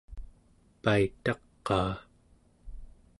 paitaqaa